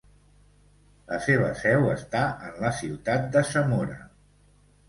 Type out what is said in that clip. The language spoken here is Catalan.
La seva seu està en la ciutat de Zamora.